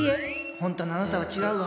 本当のあなたは違うわ。